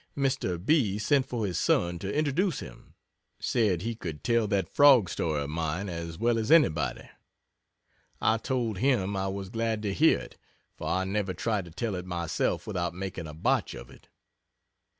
Mr. B. sent for his son, to introduce him said he could tell that frog story of mine as well as anybody. I told him I was glad to hear it for I never tried to tell it myself without making a botch of it.